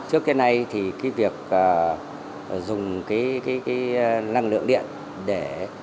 trước cái này thì cái việc dùng cái năng lượng điện để